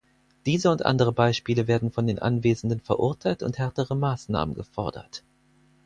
Diese und andere Beispiele werden von den Anwesenden verurteilt und härtere Maßnahmen gefordert.